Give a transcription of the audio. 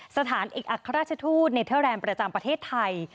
สถานเอกอัครราชทูตเนเทอร์แลนด์ประจำประเทศไทย